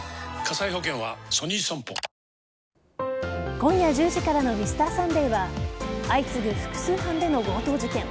今夜１０時からの「Ｍｒ．サンデー」は相次ぐ複数犯での強盗事件。